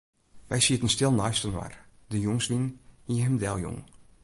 Wy sieten stil neistinoar, de jûnswyn hie him deljûn.